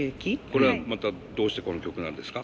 これはまたどうしてこの曲なんですか？